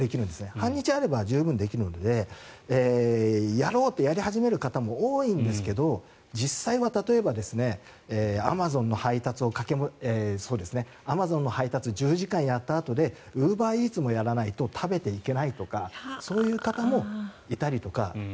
半日あれば十分できるのでやろうってやり始める方も多いんですけど実際は例えばアマゾンの配達を１０時間やったあとでウーバーイーツもやらないと食べていけないとかそういう方もいたりとか。